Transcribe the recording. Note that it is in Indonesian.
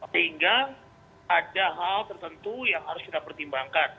sehingga ada hal tertentu yang harus kita pertimbangkan